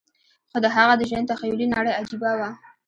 خو د هغه د ژوند تخيلي نړۍ عجيبه وه.